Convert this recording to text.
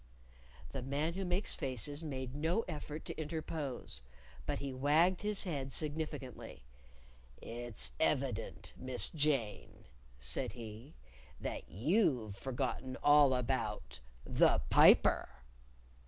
The Man Who Makes Faces made no effort to interpose. But he wagged his head significantly. "It's evident, Miss Jane," said he, "that you've forgotten all about the Piper."